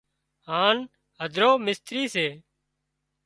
هانَ هڌرو مستري سي